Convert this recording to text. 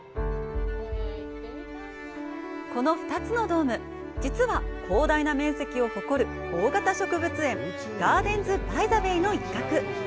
この２つのドーム、実は広大な面積を誇る大型植物園「ガーデンズ・バイ・ザ・ベイ」の一角。